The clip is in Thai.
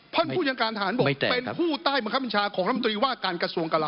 พ่อนผู้จังการฐานบกเป็นผู้ใต้ประคับบัญชาของนามตรีว่าการกระทรวงกระลับ